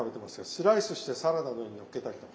スライスしてサラダの上にのっけたりとか？